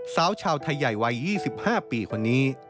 สาวชาวไทยใหญ่วัย๒๕ปีคนนี้